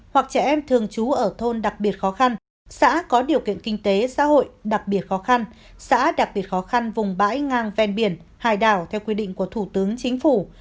hoặc trẻ em thường trú ở thôn đặc biệt khó khăn xã có điều kiện kinh tế xã hội đặc biệt khó khăn xã đặc biệt khó khăn vùng bãi ngang ven biển hải đảo theo quy định của thủ tướng chính phủ